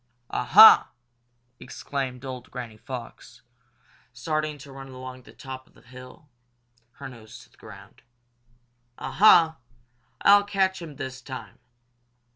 "Aha!" exclaimed old Granny Fox, starting to run along the top of the hill, her nose to the ground. "Aha! I'll catch him this time!"